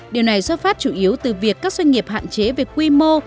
điều này xuất phát chủ yếu từ việc các doanh nghiệp hạn chế về quy mô